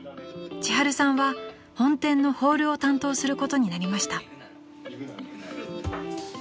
［千春さんは本店のホールを担当することになりました］